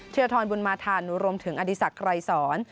เทียทรอนบุญมาธานุรมถึงอดีศักดิ์ไกรศร